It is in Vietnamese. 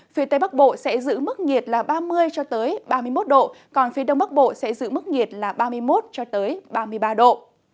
phía tây bắc bộ sẽ giữ mức nhiệt là ba mươi ba mươi một độ còn phía đông bắc bộ sẽ giữ mức nhiệt là ba mươi một ba mươi ba độ